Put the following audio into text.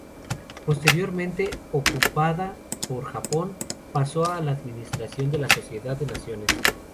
Posteriormente ocupada por Japón, pasó a la administración de la Sociedad de Naciones.